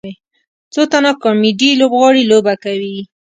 څو تنه کامیډي لوبغاړي لوبه کوي.